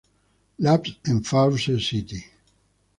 Labs en Fawcett City.